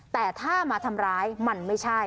แต่ถ้ามาทำร้ายมันไม่ใช่